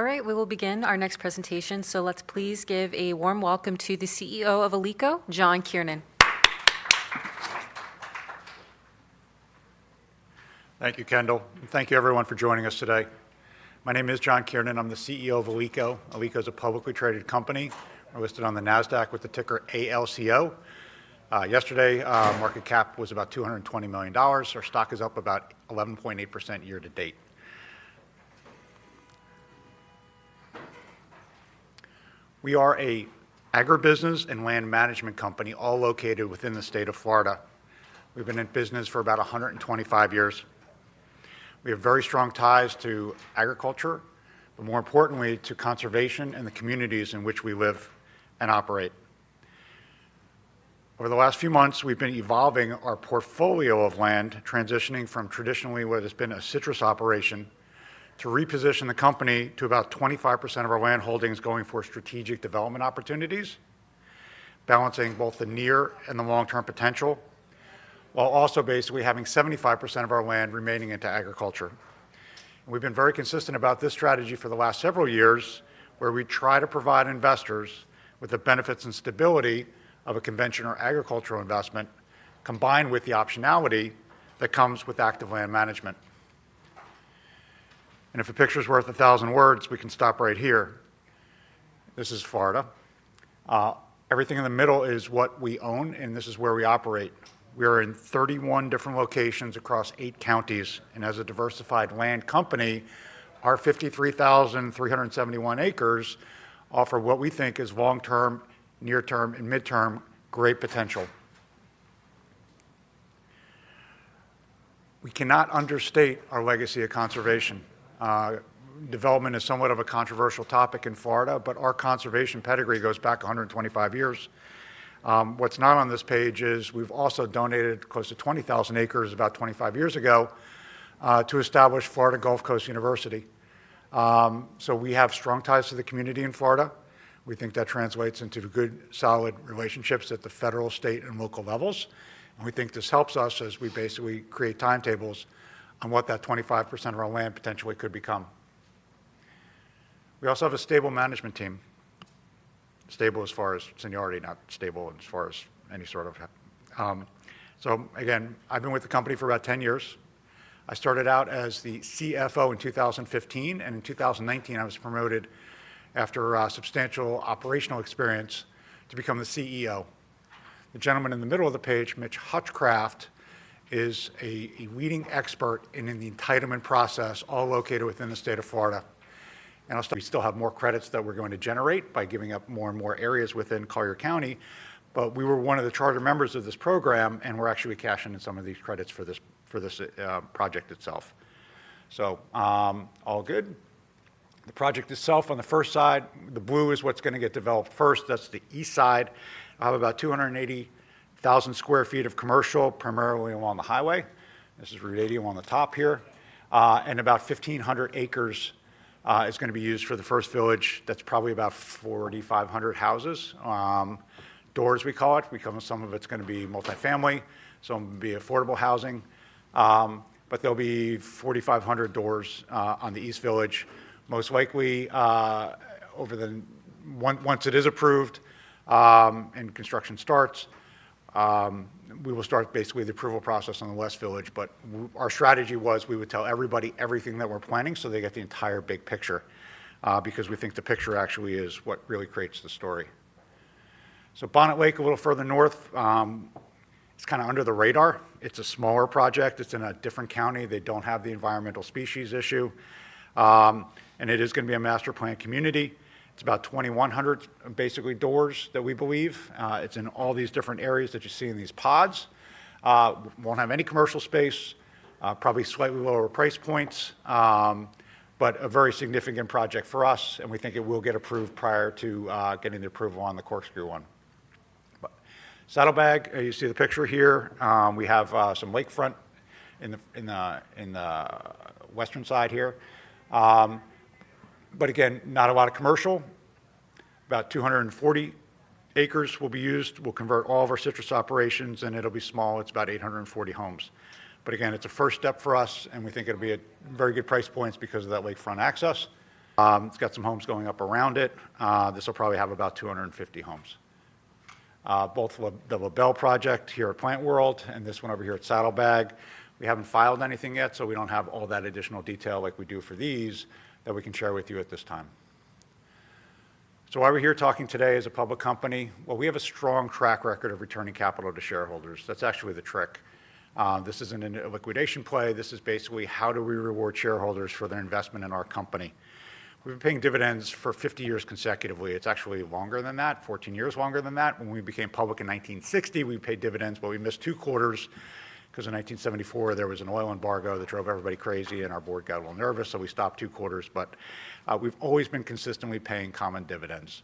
All right, we will begin our next presentation, so let's please give a warm welcome to the CEO of Alico, John Kiernan. Thank you, Kendall, and thank you, everyone, for joining us today. My name is John Kiernan. I'm the CEO of Alico. Alico is a publicly traded company. We're listed on the NASDAQ with the ticker ALCO. Yesterday, our market cap was about $220 million. Our stock is up about 11.8% year to date. We are an agribusiness and land management company, all located within the state of Florida. We've been in business for about 125 years. We have very strong ties to agriculture, but more importantly, to conservation and the communities in which we live and operate. Over the last few months, we've been evolving our portfolio of land, transitioning from traditionally what has been a citrus operation to reposition the company to about 25% of our land holdings going for strategic development opportunities, balancing both the near and the long-term potential, while also basically having 75% of our land remaining into agriculture. We've been very consistent about this strategy for the last several years, where we try to provide investors with the benefits and stability of a conventional agricultural investment, combined with the optionality that comes with active land management. If a picture is worth a thousand words, we can stop right here. This is Florida. Everything in the middle is what we own, and this is where we operate. We are in 31 different locations across eight counties, and as a diversified land company, our 53,371 acres offer what we think is long-term, near-term, and mid-term great potential. We cannot understate our legacy of conservation. Development is somewhat of a controversial topic in Florida, but our conservation pedigree goes back 125 years. What's not on this page is we've also donated close to 20,000 acres about 25 years ago to establish Florida Gulf Coast University. We have strong ties to the community in Florida. We think that translates into good, solid relationships at the federal, state, and local levels. We think this helps us as we basically create timetables on what that 25% of our land potentially could become. We also have a stable management team. Stable as far as seniority, not stable as far as any sort of. Again, I've been with the company for about 10 years. I started out as the CFO in 2015, and in 2019, I was promoted after substantial operational experience to become the CEO. The gentleman in the middle of the page, Mitch Hutchcraft, is a leading expert in the entitlement process, all located within the state of Florida. I'll still have more credits that we're going to generate by giving up more and more areas within Collier County, but we were one of the charter members of this program, and we're actually cashing in some of these credits for this project itself. All good. The project itself, on the first side, the blue is what's going to get developed first. That's the east side. I have about 280,000 sq ft of commercial, primarily along the highway. This is Route 80 along the top here. About 1,500 acres is going to be used for the first village. That's probably about 4,500 houses. Doors, we call it. Some of it's going to be multifamily, some will be affordable housing. There'll be 4,500 doors on the east village. Most likely, once it is approved and construction starts, we will start basically the approval process on the west village. Our strategy was we would tell everybody everything that we're planning so they get the entire big picture, because we think the picture actually is what really creates the story. Bonnet Lake, a little further north, is kind of under the radar. It's a smaller project. It's in a different county. They don't have the environmental species issue. It is going to be a master plan community. It's about 2,100 basically doors that we believe. It's in all these different areas that you see in these pods. Won't have any commercial space, probably slightly lower price points, but a very significant project for us, and we think it will get approved prior to getting the approval on the Corkscrew one. Saddlebag, you see the picture here. We have some lakefront in the western side here. Again, not a lot of commercial. About 240 acres will be used. We'll convert all of our citrus operations, and it'll be small. It's about 840 homes. Again, it's a first step for us, and we think it'll be at very good price points because of that lakefront access. It's got some homes going up around it. This will probably have about 250 homes. Both the LaBelle project here at Plant World and this one over here at Saddlebag. We haven't filed anything yet, so we don't have all that additional detail like we do for these that we can share with you at this time. Why we're here talking today as a public company? We have a strong track record of returning capital to shareholders. That's actually the trick. This isn't a liquidation play. This is basically how do we reward shareholders for their investment in our company. We've been paying dividends for 50 years consecutively. It's actually longer than that, 14 years longer than that. When we became public in 1960, we paid dividends, but we missed two quarters because in 1974, there was an oil embargo that drove everybody crazy, and our board got a little nervous, so we stopped two quarters. We've always been consistently paying common dividends.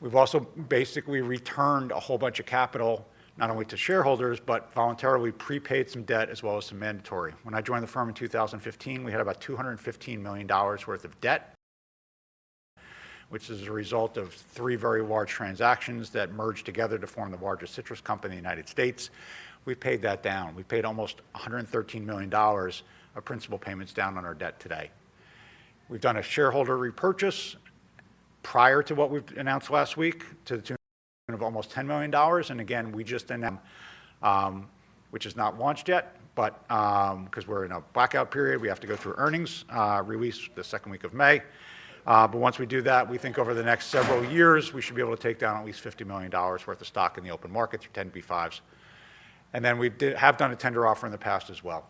We've also basically returned a whole bunch of capital, not only to shareholders, but voluntarily prepaid some debt as well as some mandatory. When I joined the firm in 2015, we had about $215 million worth of debt, which is a result of three very large transactions that merged together to form the largest citrus company in the United States. We've paid that down. We paid almost $113 million of principal payments down on our debt today. We've done a shareholder repurchase prior to what we've announced last week to the tune of almost $10 million. Again, we just announced, which is not launched yet, but because we're in a blackout period, we have to go through earnings release the second week of May. Once we do that, we think over the next several years, we should be able to take down at least $50 million worth of stock in the open market through 10b5s. We have done a tender offer in the past as well.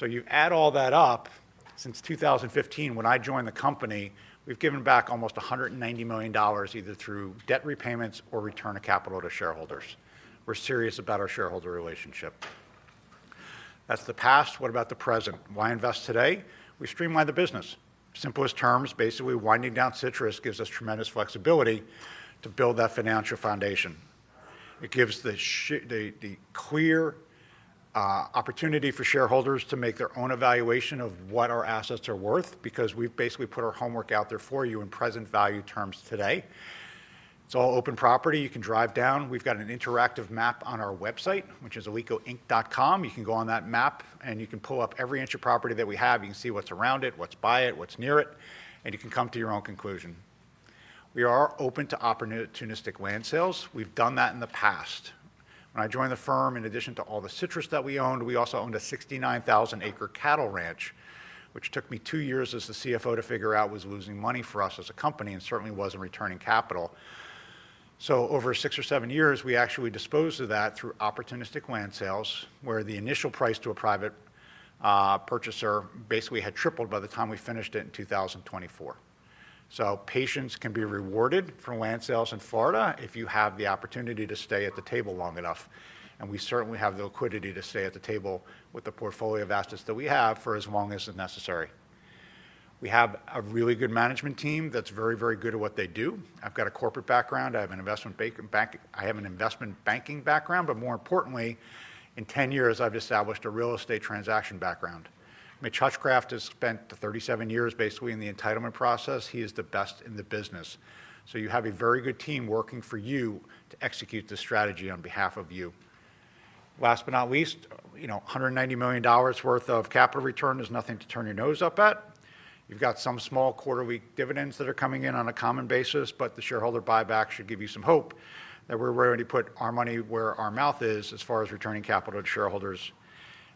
You add all that up, since 2015, when I joined the company, we've given back almost $190 million either through debt repayments or return of capital to shareholders. We're serious about our shareholder relationship. That's the past. What about the present? Why invest today? We streamline the business. Simplest terms, basically winding down citrus gives us tremendous flexibility to build that financial foundation. It gives the clear opportunity for shareholders to make their own evaluation of what our assets are worth because we've basically put our homework out there for you in present value terms today. It's all open property. You can drive down. We've got an interactive map on our website, which is alicoinc.com. You can go on that map, and you can pull up every inch of property that we have. You can see what's around it, what's by it, what's near it, and you can come to your own conclusion. We are open to opportunistic land sales. We've done that in the past. When I joined the firm, in addition to all the citrus that we owned, we also owned a 69,000-acre cattle ranch, which took me two years as the CFO to figure out was losing money for us as a company and certainly wasn't returning capital. Over six or seven years, we actually disposed of that through opportunistic land sales, where the initial price to a private purchaser basically had tripled by the time we finished it in 2024. Patience can be rewarded for land sales in Florida if you have the opportunity to stay at the table long enough. We certainly have the liquidity to stay at the table with the portfolio of assets that we have for as long as necessary. We have a really good management team that is very, very good at what they do. I have a corporate background. I have an investment banking background, but more importantly, in 10 years, I have established a real estate transaction background. Mitch Hutchcraft has spent 37 years basically in the entitlement process. He is the best in the business. You have a very good team working for you to execute the strategy on behalf of you. Last but not least, $190 million worth of capital return is nothing to turn your nose up at. You've got some small quarterly dividends that are coming in on a common basis, but the shareholder buyback should give you some hope that we're ready to put our money where our mouth is as far as returning capital to shareholders.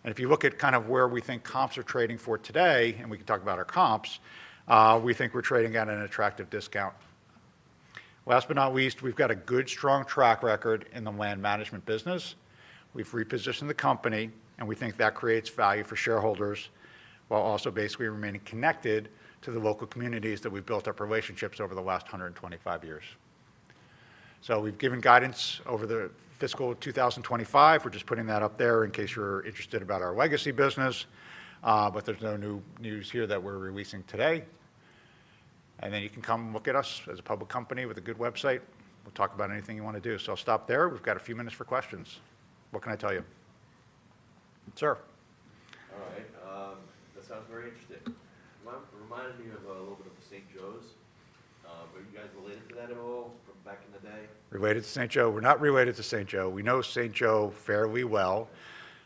If you look at kind of where we think comps are trading for today, and we can talk about our comps, we think we're trading at an attractive discount. Last but not least, we've got a good, strong track record in the land management business. We've repositioned the company, and we think that creates value for shareholders while also basically remaining connected to the local communities that we've built up relationships over the last 125 years. We've given guidance over the fiscal 2025. We're just putting that up there in case you're interested about our legacy business, but there's no news here that we're releasing today. You can come look at us as a public company with a good website. We'll talk about anything you want to do. I'll stop there. We've got a few minutes for questions. What can I tell you? Sir. All right. That sounds very interesting. It reminded me of a little bit of St. Joe's. Are you guys related to that at all from back in the day? Related to St. Joe? We're not related to St. Joe. We know St. Joe fairly well.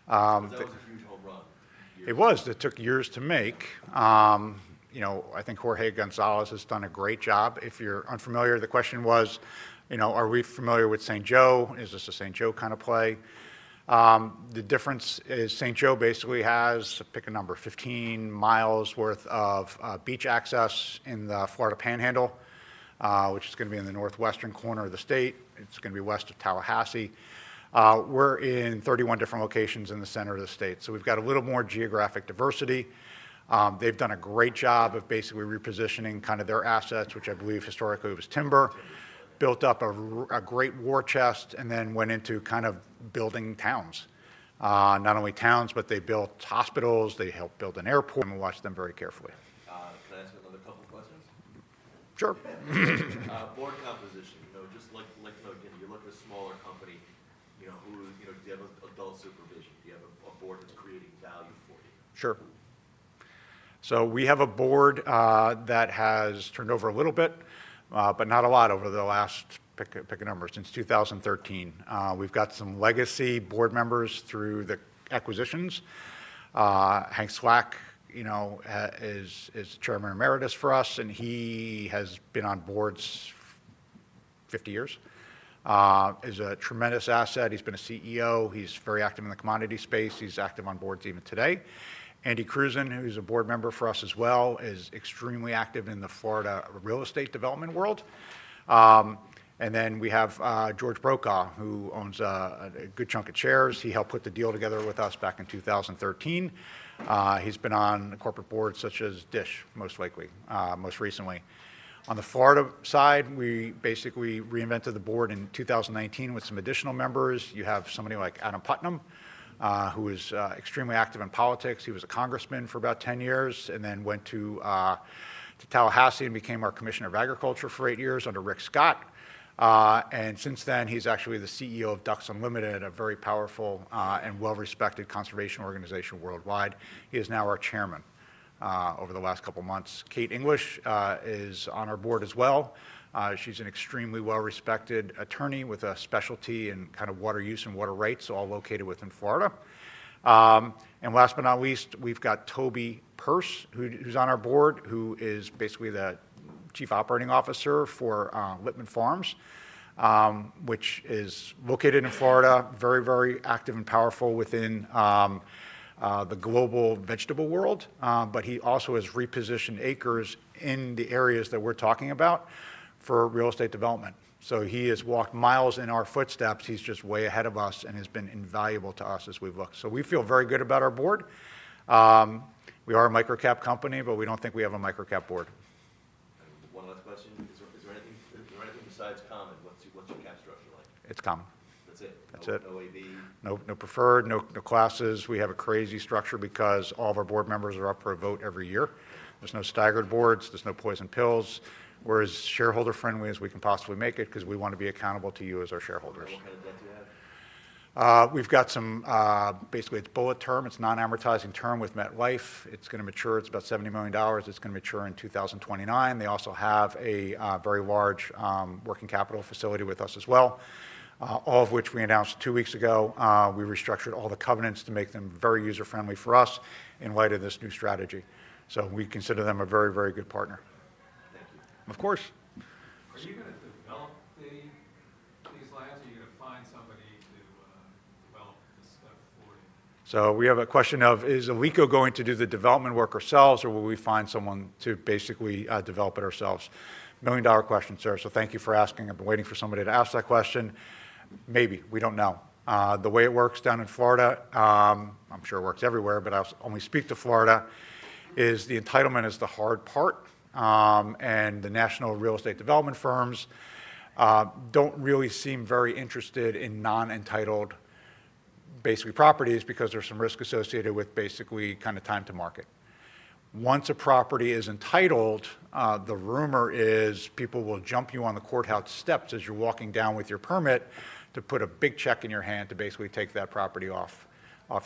That was a huge home run. It was. That took years to make. I think Jorge Gonzalez has done a great job. If you're unfamiliar, the question was, are we familiar with St. Joe? Is this a St. Joe kind of play? The difference is St. Joe basically has, pick a number, 15 mi worth of beach access in the Florida Panhandle, which is going to be in the northwestern corner of the state. It's going to be west of Tallahassee. We're in 31 different locations in the center of the state. We have a little more geographic diversity. They've done a great job of basically repositioning kind of their assets, which I believe historically was timber, built up a great war chest, and then went into kind of building towns. Not only towns, but they built hospitals. They helped build an airport. Watch them very carefully. Can I ask another couple of questions? Sure. Board composition, just like you look at a smaller company, do you have adult supervision? Do you have a board that's creating value for you? Sure. We have a board that has turned over a little bit, but not a lot over the last, pick a number, since 2013. We have some legacy board members through the acquisitions. Hank Slack is Chairman Emeritus for us, and he has been on boards 50 years. He is a tremendous asset. He has been a CEO. He is very active in the commodity space. He is active on boards even today. Andy Krusen, who is a board member for us as well, is extremely active in the Florida real estate development world. We have George Brokaw, who owns a good chunk of shares. He helped put the deal together with us back in 2013. He has been on corporate boards such as DISH, most likely, most recently. On the Florida side, we basically reinvented the board in 2019 with some additional members. You have somebody like Adam Putnam, who is extremely active in politics. He was a congressman for about 10 years and then went to Tallahassee and became our Commissioner of Agriculture for eight years under Rick Scott. Since then, he's actually the CEO of Ducks Unlimited, a very powerful and well-respected conservation organization worldwide. He is now our chairman over the last couple of months. Kate English is on our board as well. She's an extremely well-respected attorney with a specialty in kind of water use and water rights, all located within Florida. Last but not least, we've got Toby Perce, who's on our board, who is basically the Chief Operating Officer for Lipman Family Farms, which is located in Florida, very, very active and powerful within the global vegetable world. He also has repositioned acres in the areas that we're talking about for real estate development. He has walked miles in our footsteps. He's just way ahead of us and has been invaluable to us as we've looked. We feel very good about our board. We are a microcap company, but we don't think we have a microcap board. One last question. Is there anything besides common? What's your cap structure like? It's common. That's it? That's it. No AB? No preferred, no classes. We have a crazy structure because all of our board members are up for a vote every year. There's no staggered boards. There's no poison pills. We're as shareholder-friendly as we can possibly make it because we want to be accountable to you as our shareholders. What kind of debt do you have? We've got some, basically, it's a bullet term. It's a non-amortizing term with MetLife. It's going to mature. It's about $70 million. It's going to mature in 2029. They also have a very large working capital facility with us as well, all of which we announced two weeks ago. We restructured all the covenants to make them very user-friendly for us in light of this new strategy. We consider them a very, very good partner. Thank you. Of course. Are you going to develop these lands? Are you going to find somebody to develop this stuff for you? We have a question of, is Alico going to do the development work ourselves, or will we find someone to basically develop it ourselves? Million-dollar question, sir. Thank you for asking. I've been waiting for somebody to ask that question. Maybe. We don't know. The way it works down in Florida, I'm sure it works everywhere, but I'll only speak to Florida, is the entitlement is the hard part. The national real estate development firms don't really seem very interested in non-entitled basically properties because there's some risk associated with basically kind of time to market. Once a property is entitled, the rumor is people will jump you on the courthouse steps as you're walking down with your permit to put a big check in your hand to basically take that property off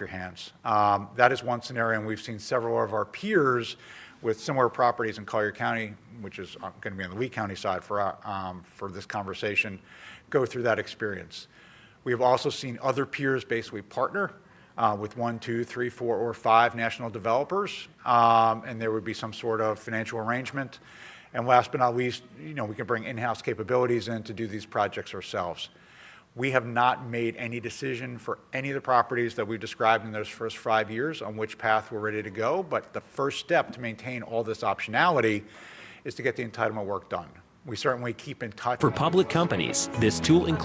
your hands. That is one scenario, and we've seen several of our peers with similar properties in Collier County, which is going to be on the Lee County side for this conversation, go through that experience. We have also seen other peers basically partner with one, two, three, four, or five national developers, and there would be some sort of financial arrangement. Last but not least, we can bring in-house capabilities in to do these projects ourselves. We have not made any decision for any of the properties that we've described in those first five years on which path we're ready to go, but the first step to maintain all this optionality is to get the entitlement work done. We certainly keep in touch. For public companies, this tool includes.